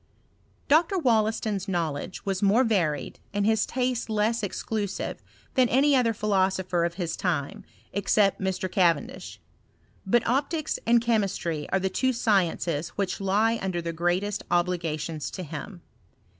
Dr. Wollaston's knowledge was more varied, and his taste less exclusive than any other philosopher o£ his time, except Mr. Cavendish: but optics and chemistry are the two sciences which lie under the greatest obligations to him.